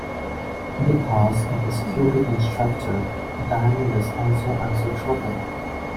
Because it is cubic in structure, diamond is also isotropic.